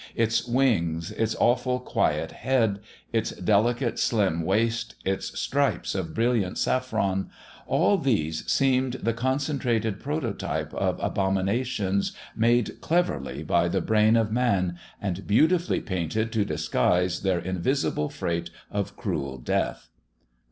Its wings, its awful, quiet head, its delicate, slim waist, its stripes of brilliant saffron all these seemed the concentrated prototype of abominations made cleverly by the brain of man, and beautifully painted to disguise their invisible freight of cruel death.